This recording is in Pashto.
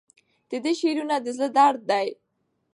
د ده شعرونه د زړه درد دی.